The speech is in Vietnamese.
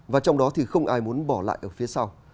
và trong đó thì không ai muốn bỏ lại ở phía sau